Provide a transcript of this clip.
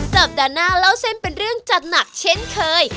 สัปดาห์หน้าเล่าเส้นเป็นเรื่องจัดหนักเช่นเคย